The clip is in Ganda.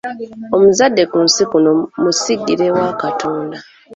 Omuzadde ku nsi kuno musigire wa Katonda.